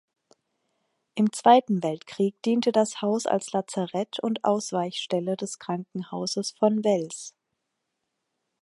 Im Zweiten Weltkrieg diente das Haus als Lazarett und Ausweichstelle des Krankenhauses von Wels.